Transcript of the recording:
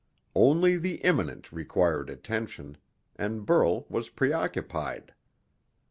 Only the imminent required attention, and Burl was preoccupied.